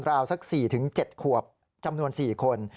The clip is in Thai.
สัก๔๗ขวบจำนวน๔คน